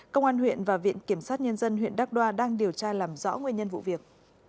công an huyện và viện kiểm sát nhân dân huyện đắk đoa đang điều tra làm rõ nguyên nhân vụ việc